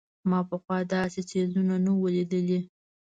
ما پخوا داسې څيزونه نه وو لېدلي.